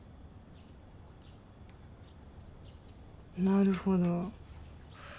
なるほど。